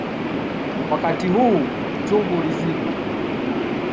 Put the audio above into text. Wakati huu, uchungu ulizidi.